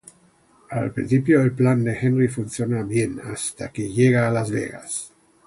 Al principio el plan de Henry funciona bien, hasta que llega a Las Vegas.